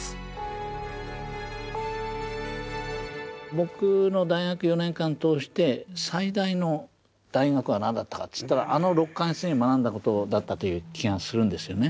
僕の大学４年間通して最大の大学は何だったかっていったらあの６か月に学んだことだったという気がするんですよね。